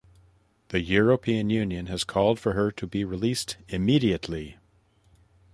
The European Union has called for her to be released immediately.